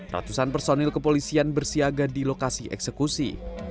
ratusan personil kepolisian bersiaga di lokasi eksekusi